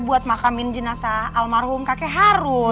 buat makamin jenazah almarhum kakek haru